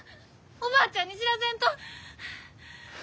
おばあちゃんに知らせんと！